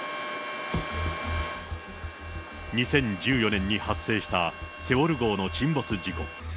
２０１４年に発生したセウォル号の沈没事故。